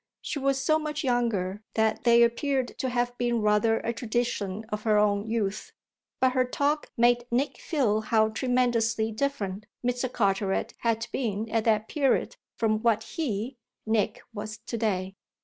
She was so much younger that they appeared to have been rather a tradition of her own youth; but her talk made Nick feel how tremendously different Mr. Carteret had been at that period from what he, Nick, was to day.